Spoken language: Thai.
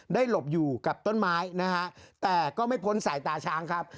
หลบอยู่กับต้นไม้นะฮะแต่ก็ไม่พ้นสายตาช้างครับ